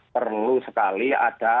perlu sekali ada